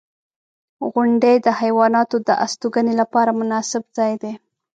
• غونډۍ د حیواناتو د استوګنې لپاره مناسب ځای دی.